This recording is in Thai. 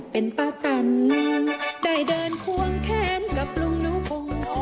ป้าแต่นเป็นแฟนกับลุงตู่